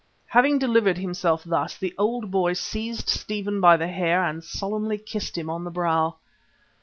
Having delivered himself thus, the old boy seized Stephen by the hair and solemnly kissed him on the brow.